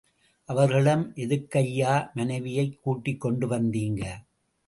அவர்களிடம் எதுக்கய்யா மனைவியைக் கூட்டிக் கொண்டு வந்தீங்க?